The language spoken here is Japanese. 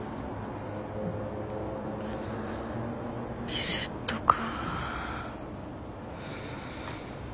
リセットか。